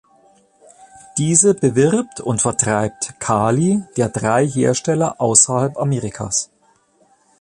Diese bewirbt und vertreibt Kali der drei Hersteller außerhalb Amerikas.